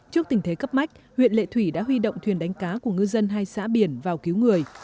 trước tình thế cấp mách huyện lệ thủy đã huy động thuyền đánh cá của ngư dân hai xã biển vào cứu người